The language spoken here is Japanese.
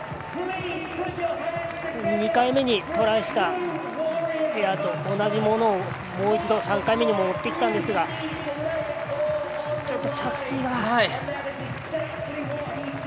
２回目にトライしたエアと同じものをもう一度３回目にもやってきたんですがちょっと着地が。